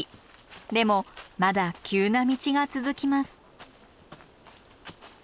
でもまだ急な道が続きます。